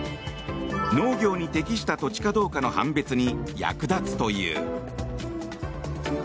農業に適した土地かどうかの判別に役立つという。